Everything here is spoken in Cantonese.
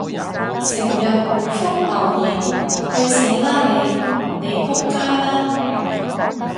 成日回覆留言，去死啦你！你仆街啦！